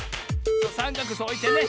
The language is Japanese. さんかくそうおいてね。